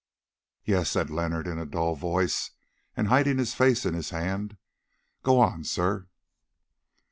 "Yes," said Leonard in a dull voice, and hiding his face in his hand; "go on, sir."